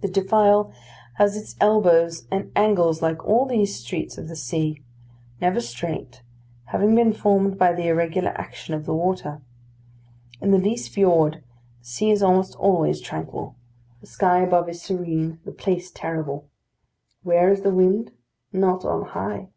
The defile has its elbows and angles like all these streets of the sea never straight, having been formed by the irregular action of the water. In the Lyse Fiord, the sea is almost always tranquil; the sky above is serene; the place terrible. Where is the wind? Not on high.